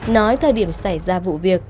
nói thời điểm xảy ra vụ việc